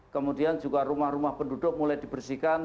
kemudian juga rumah rumah penduduk mulai dibersihkan